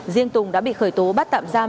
riêng tùng đã bị khởi tố bắt tạm giam